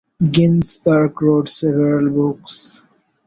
Ginsberg wrote several books.